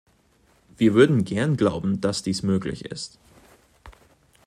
Wir würden gern glauben, dass dies möglich ist!